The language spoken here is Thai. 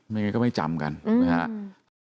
ไม่งั้นก็ไม่จำกันครับ